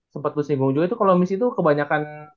sempat lu singgung juga itu kalau miss itu kebanyakan